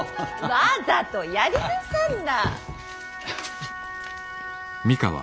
わざとやりなさんな！